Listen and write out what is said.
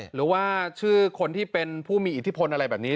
หรือว่าชื่อคนที่เป็นผู้มีอิทธิพลอะไรแบบนี้